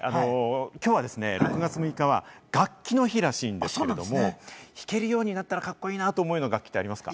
きょう６月６日は楽器の日らしいんですけれども、弾けるようになったらカッコいいなと思う楽器ありますか？